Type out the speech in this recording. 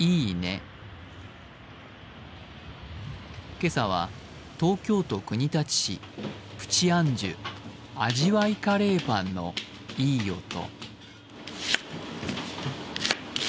今朝は東京都国立市プチ・アンジュ味わいカレーパンのいい音。